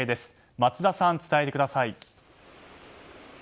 松田さん、伝えてください。